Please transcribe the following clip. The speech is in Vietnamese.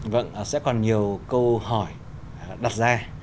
vâng sẽ còn nhiều câu hỏi đặt ra